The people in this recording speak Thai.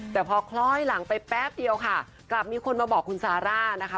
แต่พอคล้อยหลังไปแป๊บเดียวค่ะกลับมีคนมาบอกคุณซาร่านะคะ